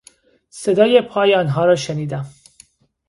صدای پای آنها را شنیدم.